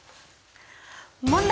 問題！